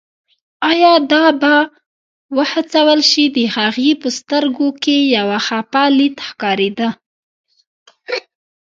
ایا دا به وهڅول شي، د هغې په سترګو کې یو خپه لید ښکارېده.